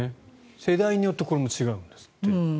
世代によってこれも違うんですって。